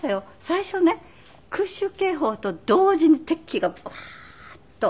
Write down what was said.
最初ね空襲警報と同時に敵機がバーッと。